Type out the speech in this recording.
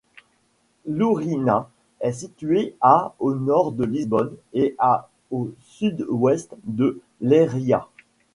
Lourinhã est située à au nord de Lisbonne et à au sud-ouest de Leiria.